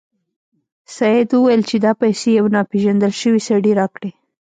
سید وویل چې دا پیسې یو ناپيژندل شوي سړي راکړې.